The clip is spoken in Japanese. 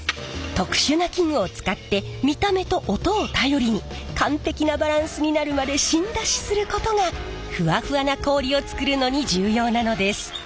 特殊な器具を使って見た目と音を頼りに完璧なバランスになるまで芯出しすることがふわふわな氷を作るのに重要なのです。